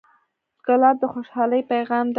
ګلاب د خوشحالۍ پیغام دی.